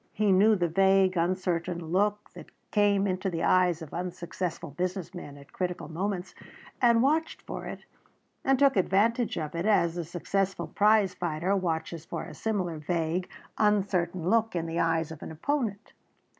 He knew the vague, uncertain look that came into the eyes of unsuccessful business men at critical moments and watched for it and took advantage of it as a successful prize fighter watches for a similar vague, uncertain look in the eyes of an opponent.